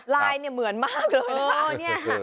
ลายเนี่ยเหมือนมากเลยนะ